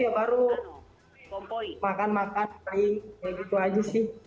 makan makan main kayak gitu aja sih